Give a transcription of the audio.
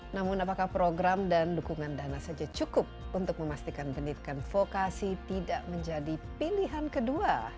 namun apakah program dan dukungan dana saja cukup untuk memastikan pendidikan vokasi tidak menjadi pilihan kedua